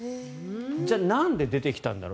じゃあ、なんで出てきたんだろう。